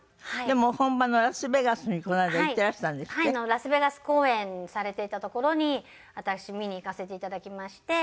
ラスベガス公演をされていたところに私見に行かせて頂きまして。